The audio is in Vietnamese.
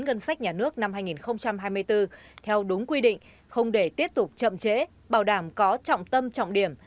ngân sách nhà nước năm hai nghìn hai mươi bốn theo đúng quy định không để tiếp tục chậm trễ bảo đảm có trọng tâm trọng điểm